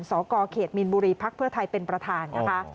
สกเขตมีนบุรีพักเพื่อไทยเป็นประธานนะคะ